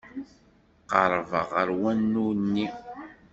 Qerrbeɣ ɣer wanu-nni.